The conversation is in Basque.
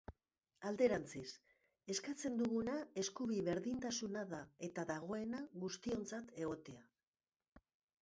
Alderantziz, eskatzen duguna eskubide berdintasuna da, eta dagoena, guztiontzat egotea.